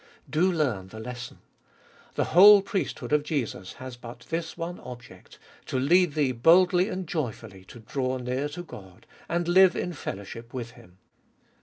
3. Do learn the lesson : the whole priesthood of Jesus has but this one object, to lead thee boldly and joy fully to draw near to God, and live in fellowship with Him.